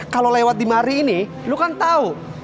kalau lewat di mari ini lo kan tahu